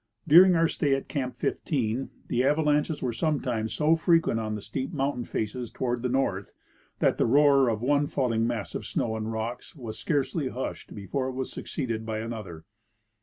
During our stay at Camp 15 the avalanches were sometimes so frequent on the steep mountain faces toward the north that the roar of one falling mass of snow and rocks was scarcely hushed before it was succeeded by another.